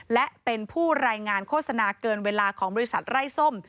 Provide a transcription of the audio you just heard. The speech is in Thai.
และเป็นผู้รายงานโฆษณาเกินเวลาของบริษัทไร้ส้ม